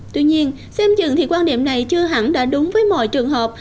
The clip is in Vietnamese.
tuy nhiên xem dựng thì quan điểm này chưa hẳn đã đúng với mọi trường hợp